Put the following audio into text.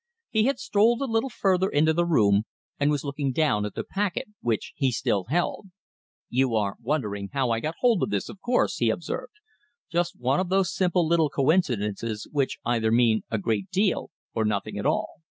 He had strolled a little further into the room, and was looking down at the packet which he still held. "You are wondering how I got hold of this, of course?" he observed. "Just one of those simple little coincidences which either mean a great deal or nothing at all."